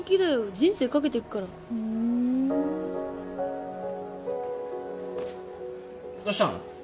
人生かけてっからふんどうしたの？